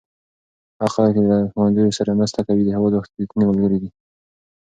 هغه خلک چې له ښوونځیو سره مرسته کوي د هېواد رښتیني ملګري دي.